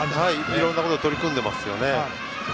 いろいろなことに取り組んでいますよね。